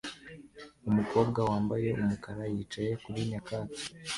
Umukobwa wambaye umukara yicaye kuri nyakatsi